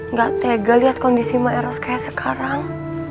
nggak tega lihat kondisi ma'eros kayak sekarang